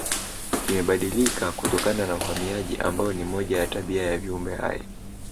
Imebadilika kutokana na uhamaji ambao ni moja ya tabia ya viumbe hai